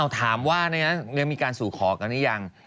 ถามว่ามีการสู่ขอกันหรือยัง